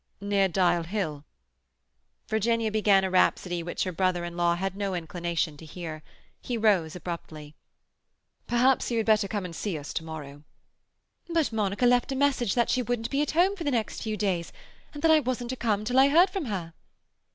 "Near Dial Hill." Virginia began a rhapsody which her brother in law had no inclination to hear. He rose abruptly. "Perhaps you had better come and see us to morrow." "But Monica left a message that she wouldn't be at home for the next few days, and that I wasn't to come till I heard from her."